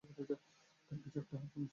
তার কাছে একটা হালকা মেশিনগান ছিল।